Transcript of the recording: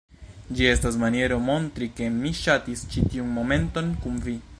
Ĝi estas maniero montri ke mi ŝatis ĉi tiun momenton kun vi.